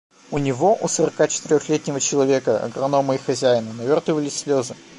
У него, у сорокачетырехлетнего человека, агронома и хозяина, навертывались слезы.